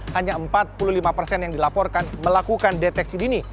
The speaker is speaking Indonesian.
hanya empat puluh lima persen yang dilaporkan melakukan deteksi dini